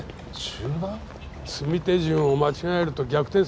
詰み手順を間違えると逆転されるぞ。